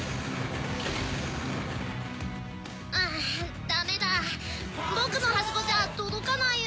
あぁダメだ僕のはしごじゃ届かないよ。